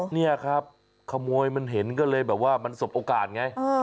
นี่ครับขโมยมันเห็นก็เลยแบบว่ามันสบโอกาสไง